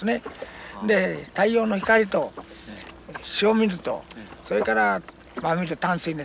で太陽の光と塩水とそれから真水淡水ですね